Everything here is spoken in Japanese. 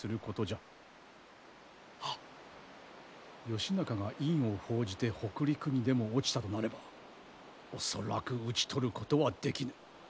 義仲が院を奉じて北陸にでも落ちたとなれば恐らく討ち取ることはできぬ。